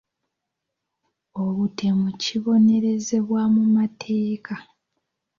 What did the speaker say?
Obutemu kibonerezebwa mu mateeka.